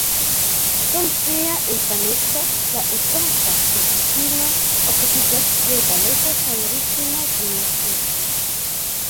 Dum sia infaneco la estonta kantistino okupiĝas je baleto kaj ritma gimnastiko.